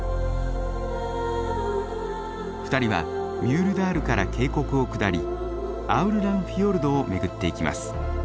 ２人はミュールダールから渓谷を下りアウルランフィヨルドを巡っていきます。